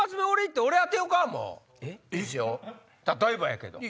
例えばやけど。